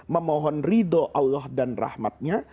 memohon ridho allah dan rahmatnya